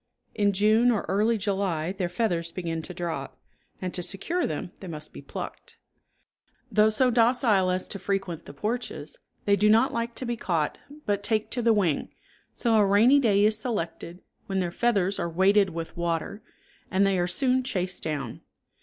In June or early July their feathers begin to drop, and to secure them they must be plucked. Though so docile as to frequent the porches, they do not like to be caught, but take to the wing, so a rainy day is selected, when their feathers are weighted with water, and they are soon chased down.